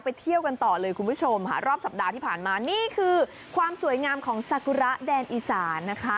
เที่ยวกันต่อเลยคุณผู้ชมค่ะรอบสัปดาห์ที่ผ่านมานี่คือความสวยงามของสากุระแดนอีสานนะคะ